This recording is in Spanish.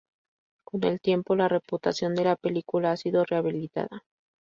Con el tiempo, la reputación de la película ha sido rehabilitada.